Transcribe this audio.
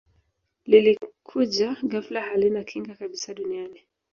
lilikuja ghafla halina kinga kabisa duniani